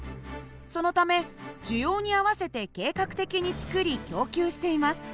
そのため需要に合わせて計画的に作り供給しています。